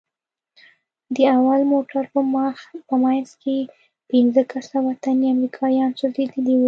د اول موټر په منځ کښې پنځه کسه وطني امريکايان سوځېدلي وو.